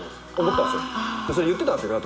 思ったんすよ。